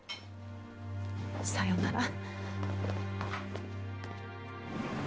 さようなら。